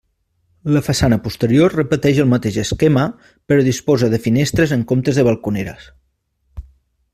La façana posterior repeteix el mateix esquema però disposa de finestres en comptes de balconeres.